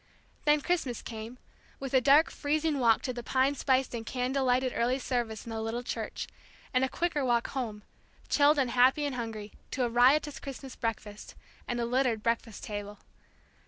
Then Christmas came, with a dark, freezing walk to the pine spiced and candle lighted early service in the little church, and a quicker walk home, chilled and happy and hungry, to a riotous Christmas breakfast, and a littered breakfast table.